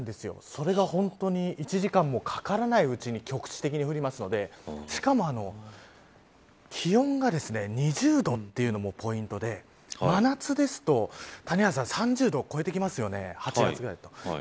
それが、本当に１時間もかからないうちに局地的に降るのでしかも気温が２０度というのもポイントで真夏ですと谷原さん３０度を超えてきますよね８月ぐらいだと。